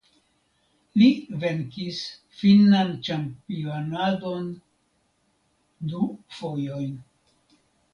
Li venkis finnan ĉampianadon du fojojn.